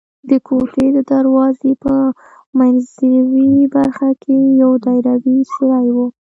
د کوټې د دروازې په منځوۍ برخه کې یو دایروي سوری و.